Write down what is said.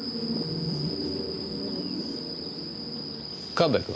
神戸君。